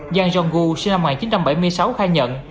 giang jong u sinh năm một nghìn chín trăm bảy mươi sáu khai nhận